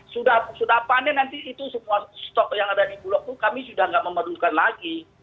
sudah panen nanti itu semua stok yang ada di bulog itu kami sudah tidak memedukan lagi